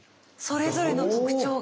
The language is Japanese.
それぞれの特徴が。